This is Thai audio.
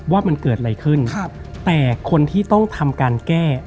ว่ามันเกิดอะไรขึ้นแต่คนที่ต้องทำการแก้